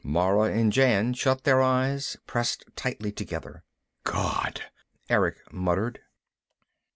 Mara and Jan shut their eyes, pressed tightly together. "God " Erick muttered.